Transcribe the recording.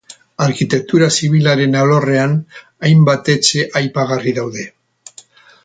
Arkitektura zibilaren alorrean, hainbat etxe aipagarri daude.